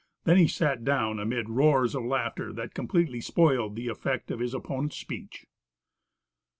Then he sat down amid roars of laughter, that completely spoiled the effect of his opponent's speech.